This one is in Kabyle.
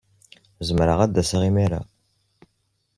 Zemreɣ ad d-aseɣ imir-a?